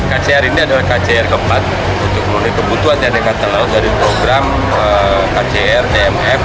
kcr ini adalah kcr keempat untuk memenuhi kebutuhan tni angkatan laut dari program kcr tmf